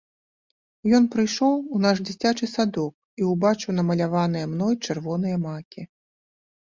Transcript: Ён прыйшоў у наш дзіцячы садок і ўбачыў намаляваныя мной чырвоныя макі.